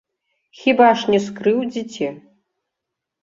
Хіба ж не скрыўдзіце?